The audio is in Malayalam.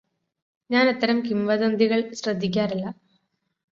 ഞാനത്തരം കിംവതന്തികള് ശ്രദ്ധിക്കാറില്ല